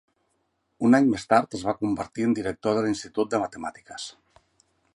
Un any més tard es va convertir en director de l'Institut de Matemàtiques.